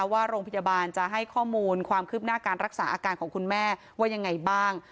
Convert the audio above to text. ว่าโรงพยาบาลจะให้ข้อมูลความคืบหน้าการรักษาอาการของคุณแม่ว่ายังไงบ้าง